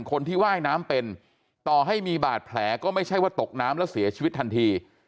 คนที่ว่ายน้ำเป็นต่อให้มีบาดแผลก็ไม่ใช่ว่าตกน้ำแล้วเสียชีวิตทันที